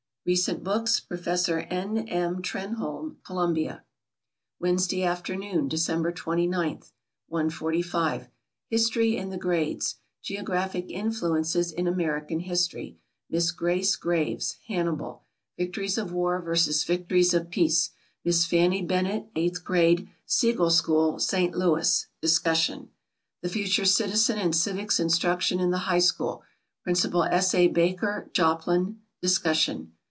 "Recent Books," Professor N. M. Trenholme, Columbia. WEDNESDAY AFTERNOON, DECEMBER 29TH. 1.45 History in the Grades: "Geographic Influences in American History," Miss Grace Graves, Hannibal; "Victories of War vs. Victories of Peace," Miss Fannie Bennett, Eighth Grade, Siegel School, St. Louis. Discussion. "The Future Citizen and Civics Instruction in the High School," Principal S. A. Baker, Joplin. Discussion.